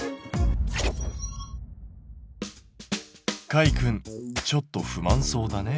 かいくんちょっと不満そうだね。